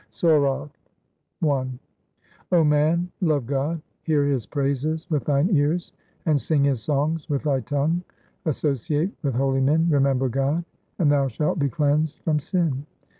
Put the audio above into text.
SORATH I O man, love God ; Hear His praises with thine ears, and sing His songs with thy tongue. Associate with holy men, remember God, and thou shalt be cleansed from sin.